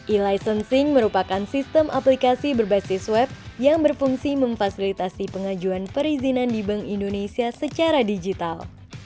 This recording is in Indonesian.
e licensing merupakan sistem aplikasi berbasis web yang berfungsi memfasilitasi pengajuan perizinan di bank indonesia secara digital